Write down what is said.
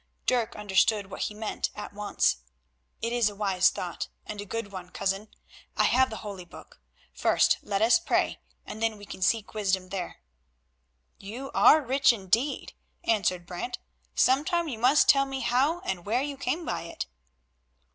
Dirk understood what he meant at once. "It is a wise thought, and a good one, cousin. I have the Holy Book; first let us pray, and then we can seek wisdom there." "You are rich, indeed," answered Brant; "sometime you must tell me how and where you came by it."